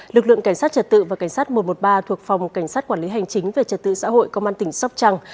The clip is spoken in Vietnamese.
lực lượng cảnh sát trật tự và cảnh sát một trăm một mươi ba thuộc phòng cảnh sát quản lý hành chính về trật tự xã hội công an tỉnh sóc trăng